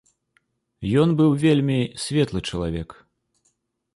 Ён быў вельмі светлы чалавек.